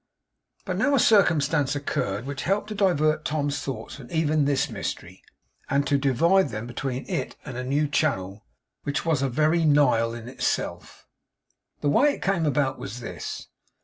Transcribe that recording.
But now a circumstance occurred, which helped to divert Tom's thoughts from even this mystery, and to divide them between it and a new channel, which was a very Nile in itself. The way it came about was this.